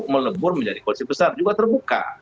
melebur menjadi koalisi besar juga terbuka